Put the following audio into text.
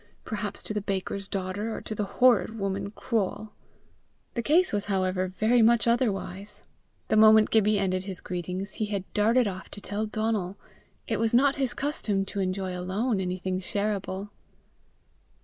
perhaps to the baker's daughter, or to the horrid woman Croale! The case was however very much otherwise. The moment Gibbie ended his greetings, he had darted off to tell Donal: it was not his custom to enjoy alone anything sharable.